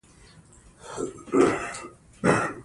عامه نظم د ثبات اړتیا ده.